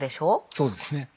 そうですね。